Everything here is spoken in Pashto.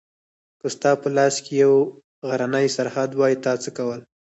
که ستا په لاس کې یو غرنی سرحد وای تا څه کول؟